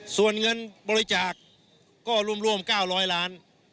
ส่วนเงินบริจาคก็ร่วม๙๐๐ล้าน